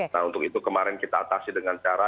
nah untuk itu kemarin kita atasi dengan cara